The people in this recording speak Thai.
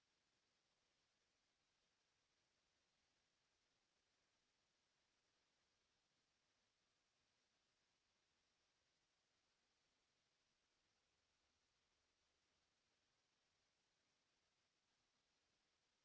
โปรดติดตามต่อไป